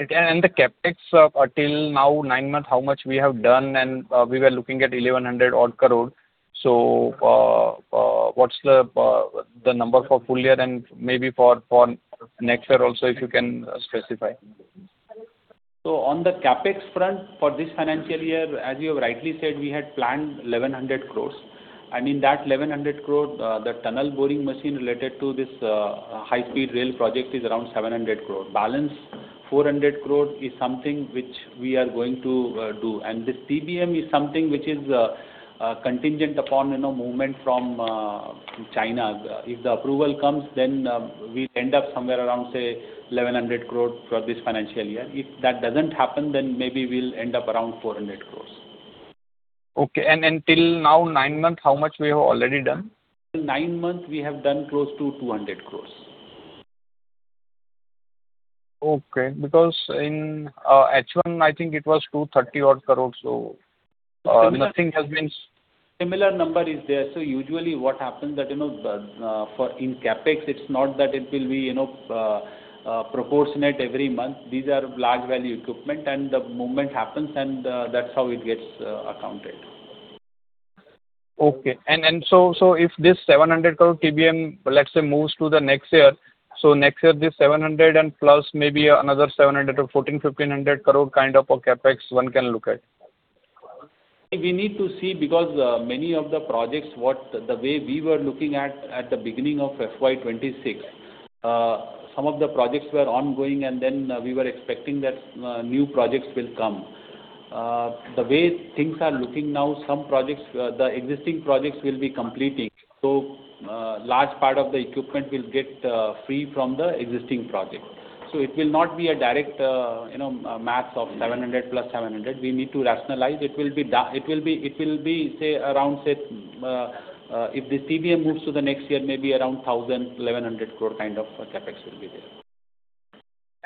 S10: it. And the CapEx, till now, 9 months, how much we have done, and we were looking at 1,100-odd crores. So, what's the number for full year and maybe for next year also, if you can specify?
S5: On the CapEx front for this financial year, as you have rightly said, we had planned 1,100 crores. In that 1,100 crores, the tunnel boring machine related to this high-speed rail project is around 700 crores. Balance 400 crores is something which we are going to do. This TBM is something which is contingent upon movement from China. If the approval comes, then we'll end up somewhere around, say, 1,100 crores for this financial year. If that doesn't happen, then maybe we'll end up around 400 crores.
S10: Okay. And till now, 9 months, how much we have already done?
S5: Nine months, we have done close to 200 crores.
S10: Okay. Because in H1, I think it was 230-odd crores. So, nothing has been.
S5: Similar number is there. So, usually, what happens that in CapEx, it's not that it will be proportionate every month. These are large-value equipment, and the movement happens, and that's how it gets accounted.
S10: Okay. If this 700 crores TBM, let's say, moves to the next year, so next year, this 700 crores and plus maybe another 700 crores or 1,400 crores-1,500 crores kind of a CapEx one can look at?
S5: We need to see because many of the projects, the way we were looking at at the beginning of FY 2026, some of the projects were ongoing, and then we were expecting that new projects will come. The way things are looking now, some projects, the existing projects will be completing. So, large part of the equipment will get free from the existing project. So, it will not be a direct math of 700 crores + 700 crores. We need to rationalize. It will be around, say, if this TBM moves to the next year, maybe around 1,000-1,100 crores kind of CapEx will be there.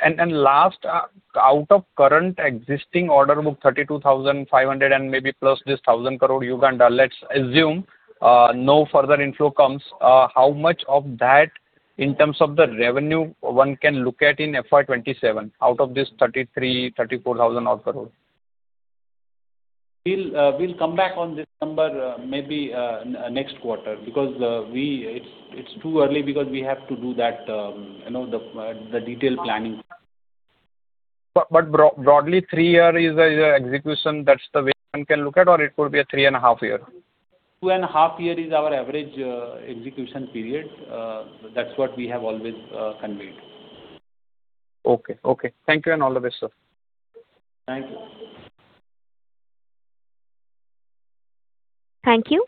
S10: And last, out of current existing order book, 32,500 crores and maybe plus this 1,000 crores, Uganda, let's assume no further inflow comes. How much of that, in terms of the revenue, one can look at in FY 2027 out of this 33,000-34,000 crores?
S5: We'll come back on this number maybe next quarter because it's too early because we have to do the detailed planning.
S10: Broadly, three years is an execution that's the way one can look at, or it could be a 3.5-year?
S5: 2.5-year is our average execution period. That's what we have always conveyed.
S10: Okay. Okay. Thank you, and all the best, sir.
S5: Thank you.
S1: Thank you.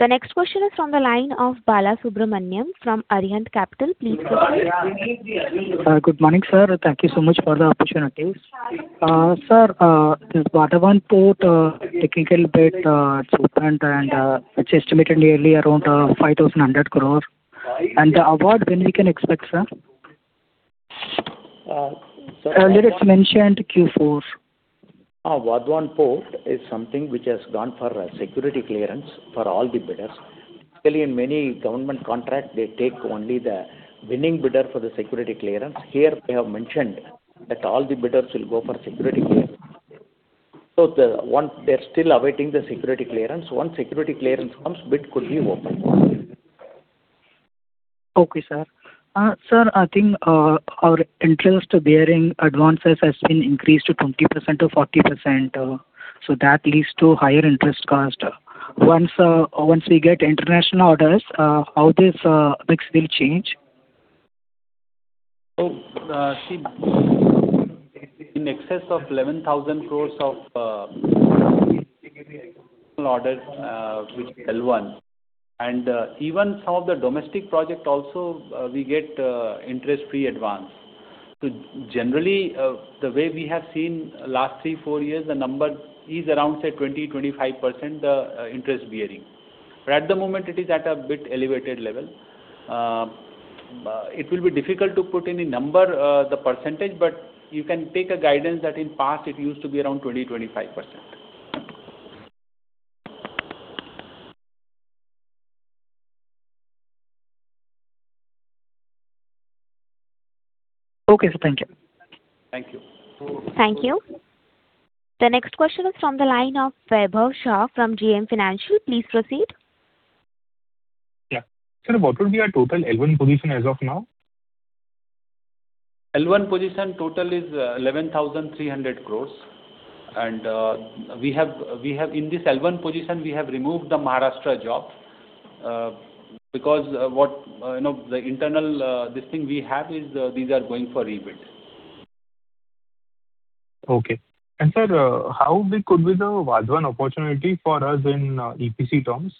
S1: The next question is from the line of Balasubramaniam from Arihant Capital. Please proceed.
S11: Good morning, sir. Thank you so much for the opportunities. Sir, this Vadhavan Port technical bid, it's opened, and it's estimated nearly around 5,100 crores. The award, when we can expect, sir? Earlier, it's mentioned Q4.
S7: Vadhavan Port is something which has gone for security clearance for all the bidders. Actually, in many government contracts, they take only the winning bidder for the security clearance. Here, they have mentioned that all the bidders will go for security clearance. So, they're still awaiting the security clearance. Once security clearance comes, bid could be opened.
S11: Okay, sir. Sir, I think our interest-bearing advances have been increased to 20% or 40%. So, that leads to higher interest cost. Once we get international orders, how this mix will change?
S7: So, see, in excess of 11,000 crores of international orders, which L1. And even some of the domestic projects also, we get interest-free advance. So, generally, the way we have seen last 3-4 years, the number is around, say, 20%-25% interest-bearing. But at the moment, it is at a bit elevated level. It will be difficult to put in a number, the percentage, but you can take a guidance that in the past, it used to be around 20%-25%.
S11: Okay, sir. Thank you.
S7: Thank you.
S1: Thank you. The next question is from the line of Vaibhav Shah from JM Financial. Please proceed.
S12: Yeah. Sir, what would be our total L1 position as of now?
S5: L1 position total is 11,300 crores. In this L1 position, we have removed the Maharashtra job because the internal this thing we have is these are going for rebid.
S12: Okay. And sir, how big could be the Vadhavan opportunity for us in EPC terms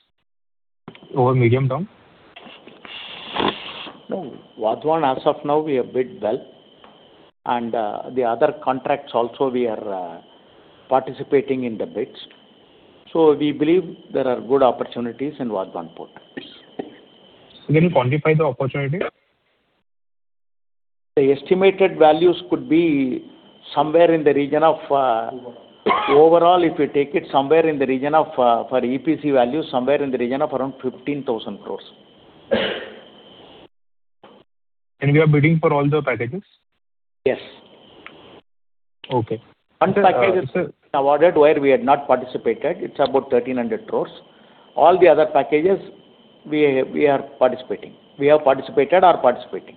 S12: or medium term?
S5: No, Vadhavan, as of now, we are bid well. The other contracts also, we are participating in the bids. We believe there are good opportunities in Vadhavan Port.
S12: Can you quantify the opportunity?
S5: The estimated values could be somewhere in the region of overall, if you take it, somewhere in the region of for EPC value, somewhere in the region of around 15,000 crores.
S12: We are bidding for all the packages?
S5: Yes. One package is awarded where we had not participated. It's about 1,300 crores. All the other packages, we are participating. We have participated, are participating.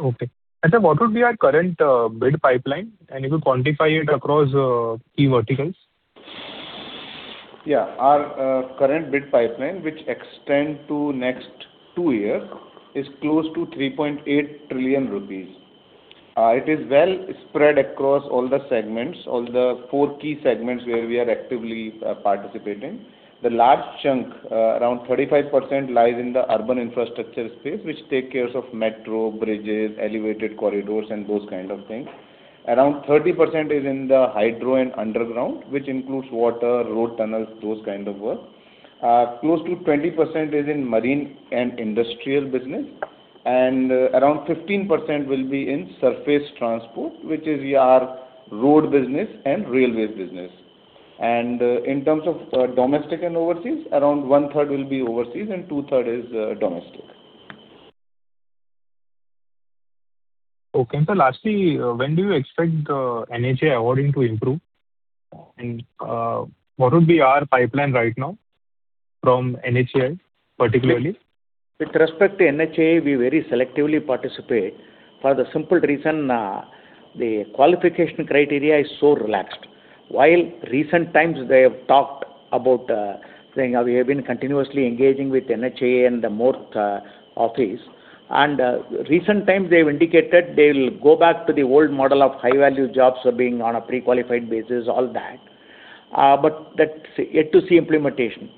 S12: Okay. Sir, what would be our current bid pipeline, and if you quantify it across key verticals?
S5: Yeah. Our current bid pipeline, which extends to next two years, is close to 3.8 trillion rupees. It is well spread across all the segments, all the four key segments where we are actively participating. The large chunk, around 35%, lies in the urban infrastructure space, which takes care of metro, bridges, elevated corridors, and those kind of things. Around 30% is in the hydro and underground, which includes water, road tunnels, those kind of work. Close to 20% is in marine and industrial business, and around 15% will be in surface transport, which is our road business and railways business. In terms of domestic and overseas, around 1/3 will be overseas, and 2/3 is domestic.
S12: Okay. And sir, lastly, when do you expect the NHAI awarding to improve? And what would be our pipeline right now from NHAI, particularly?
S5: With respect to NHAI, we very selectively participate for the simple reason the qualification criteria is so relaxed. In recent times, they have talked about saying we have been continuously engaging with NHAI and the MORTH office. In recent times, they have indicated they will go back to the old model of high-value jobs being on a pre-qualified basis, all that. That's yet to see implementation.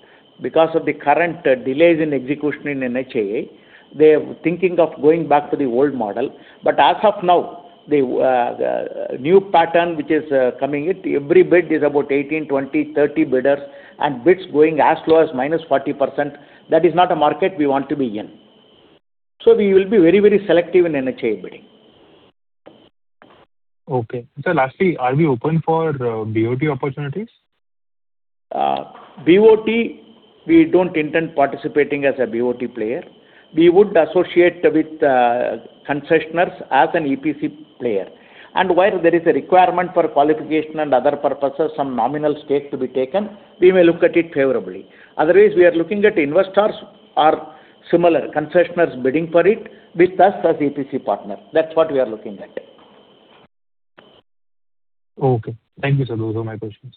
S5: Because of the current delays in execution in NHAI, they are thinking of going back to the old model. As of now, the new pattern which is coming, every bid is about 18, 20, 30 bidders, and bids going as low as -40%, that is not a market we want to be in. We will be very, very selective in NHAI bidding.
S12: Okay. Sir, lastly, are we open for BOT opportunities?
S5: BOT, we don't intend participating as a BOT player. We would associate with concessionaries as an EPC player. Where there is a requirement for qualification and other purposes, some nominal stake to be taken, we may look at it favorably. Otherwise, we are looking at investors are similar, concessionaries bidding for it with us as EPC partner. That's what we are looking at.
S12: Okay. Thank you, sir. Those are my questions.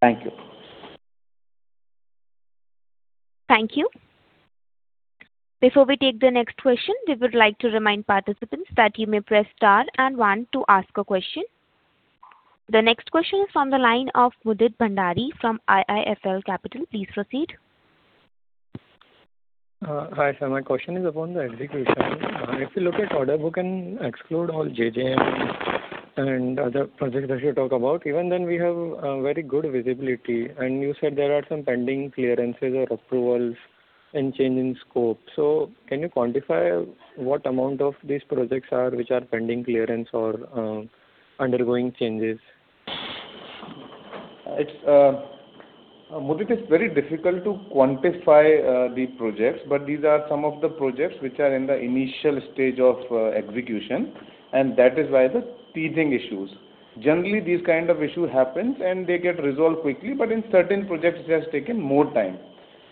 S5: Thank you.
S1: Thank you. Before we take the next question, we would like to remind participants that you may press star and one to ask a question. The next question is from the line of Mudit Bhandari from IIFL Capital. Please proceed.
S13: Hi, sir. My question is upon the execution. If you look at order book and exclude all JJM and other projects that you talk about, even then, we have very good visibility. And you said there are some pending clearances or approvals and change in scope. So, can you quantify what amount of these projects are which are pending clearance or undergoing changes?
S7: Mudit, it's very difficult to quantify the projects, but these are some of the projects which are in the initial stage of execution. That is why the teething issues. Generally, these kind of issues happen, and they get resolved quickly, but in certain projects, it has taken more time.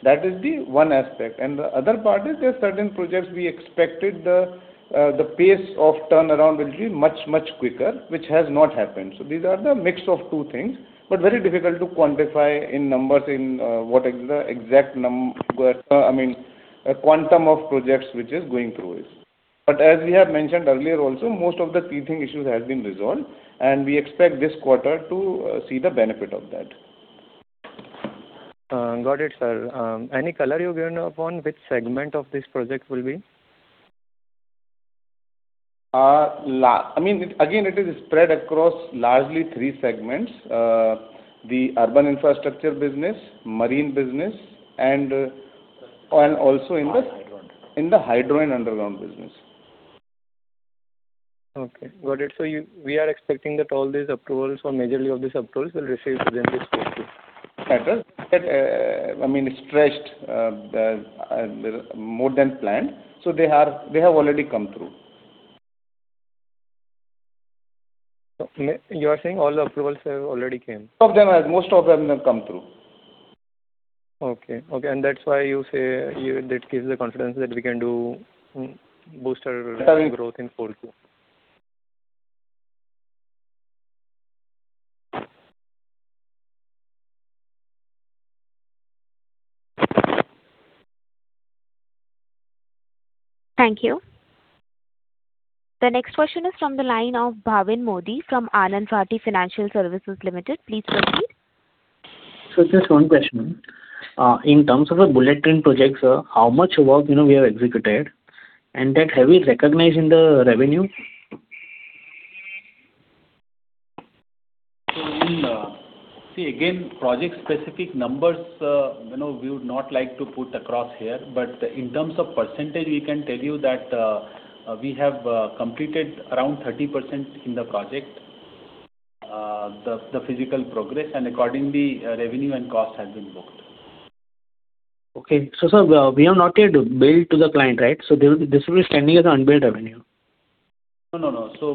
S7: That is the one aspect. The other part is, there are certain projects we expected the pace of turnaround will be much, much quicker, which has not happened. So, these are the mix of two things, but very difficult to quantify in numbers what the exact number, I mean, quantum of projects which is going through is. But as we have mentioned earlier also, most of the teething issues have been resolved, and we expect this quarter to see the benefit of that.
S13: Got it, sir. Any color you're given upon which segment of this project will be?
S7: I mean, again, it is spread across largely three segments: the urban infrastructure business, marine business, and also in the hydro and underground business.
S13: Okay. Got it. So, we are expecting that all these approvals or majority of these approvals will receive within this quarter?
S7: At least, I mean, stretched more than planned. So, they have already come through.
S13: So, you are saying all the approvals have already come?
S7: Of them, most of them have come through.
S13: Okay. Okay. And that's why you say that gives the confidence that we can do booster growth in Q4?
S1: Thank you. The next question is from the line of Bhavin Modi from Anand Rathi Financial Services Limited. Please proceed.
S14: So, just one question. In terms of the Bullet Train projects, how much work we have executed, and that have we recognized in the revenue?
S5: So, see, again, project-specific numbers, we would not like to put across here. But in terms of percentage, we can tell you that we have completed around 30% in the project, the physical progress, and accordingly, revenue and cost have been booked.
S14: Okay. So, sir, we have not yet billed to the client, right? So, this will be standing as unbilled revenue?
S5: No, no, no. So,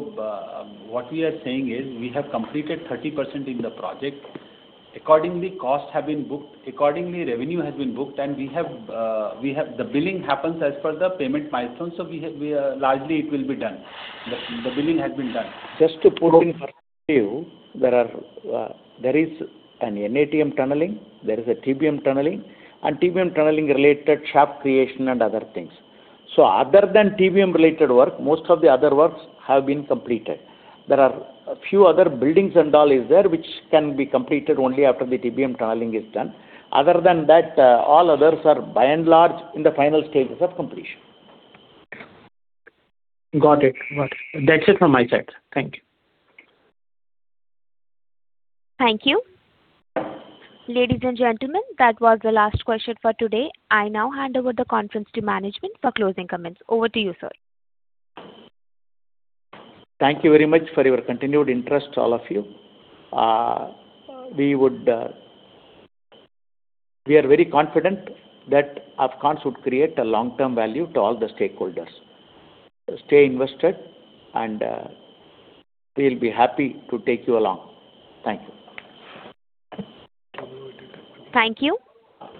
S5: what we are saying is we have completed 30% in the project. Accordingly, costs have been booked. Accordingly, revenue has been booked. The billing happens as per the payment milestones. So, largely, it will be done. The billing has been done. Just to put in perspective, there is an NATM tunneling. There is a TBM tunneling and TBM tunneling-related shaft creation and other things. So, other than TBM-related work, most of the other works have been completed. There are a few other buildings and all is there which can be completed only after the TBM tunneling is done. Other than that, all others are by and large in the final stages of completion.
S14: Got it. Got it. That's it from my side. Thank you.
S1: Thank you. Ladies and gentlemen, that was the last question for today. I now hand over the conference to management for closing comments. Over to you, sir.
S5: Thank you very much for your continued interest, all of you. We are very confident that Afcons would create a long-term value to all the stakeholders. Stay invested, and we'll be happy to take you along. Thank you.
S1: Thank you.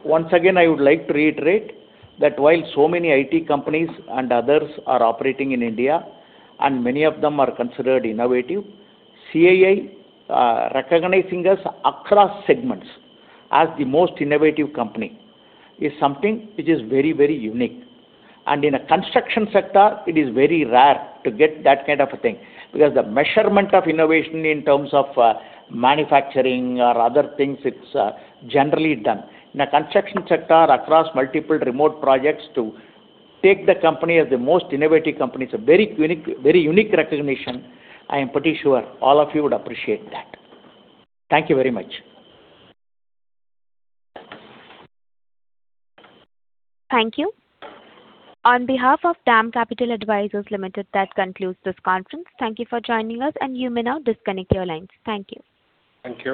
S5: Once again, I would like to reiterate that while so many IT companies and others are operating in India, and many of them are considered innovative, CII recognizing us across segments as the most innovative company is something which is very, very unique. In a construction sector, it is very rare to get that kind of a thing because the measurement of innovation in terms of manufacturing or other things, it's generally done. In a construction sector, across multiple remote projects, to take the company as the most innovative company, it's a very unique recognition. I am pretty sure all of you would appreciate that. Thank you very much.
S1: Thank you. On behalf of DAM Capital Advisors Limited, that concludes this conference. Thank you for joining us. You may now disconnect your lines. Thank you.
S3: Thank you.